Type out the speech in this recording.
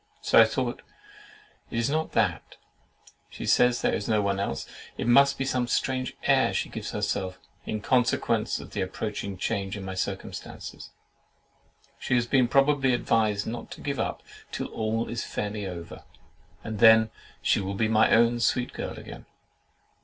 So, thought I, it is not that; and she says there's no one else: it must be some strange air she gives herself, in consequence of the approaching change in my circumstances. She has been probably advised not to give up till all is fairly over, and then she will be my own sweet girl again.